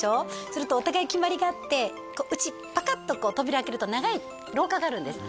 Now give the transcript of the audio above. するとお互い決まりがあってうちパカッと扉を開けると長い廊下があるんです